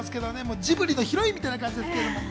ジブリのヒロインみたいな感じです。